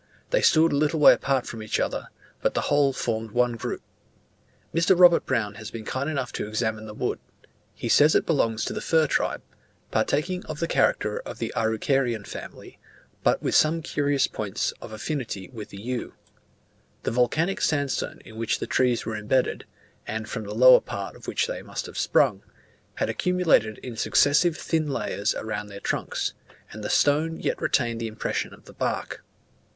They stood a little way apart from each other, but the whole formed one group. Mr. Robert Brown has been kind enough to examine the wood: he says it belongs to the fir tribe, partaking of the character of the Araucarian family, but with some curious points of affinity with the yew. The volcanic sandstone in which the trees were embedded, and from the lower part of which they must have sprung, had accumulated in successive thin layers around their trunks; and the stone yet retained the impression of the bark.